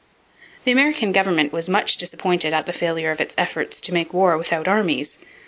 The American government was much disappointed at the failure of its efforts to make war without armies.